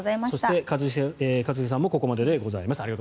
そして一茂さんもここまででございます。